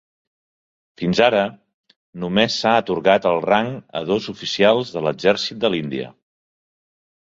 Fina ara, només s'ha atorgat el rang a dos oficials de l'exèrcit de l'Índia.